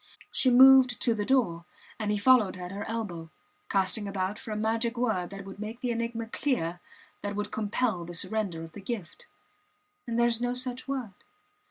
She moved to the door, and he followed at her elbow, casting about for a magic word that would make the enigma clear, that would compel the surrender of the gift. And there is no such word!